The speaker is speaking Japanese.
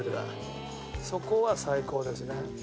そこは最高ですね。